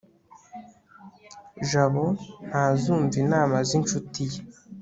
jabo ntazumva inama z'inshuti ye